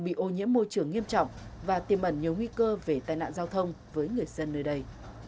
bị ô nhiễm môi trường nghiêm trọng và tiềm ẩn nhiều nguy cơ về tai nạn giao thông với người dân nơi đây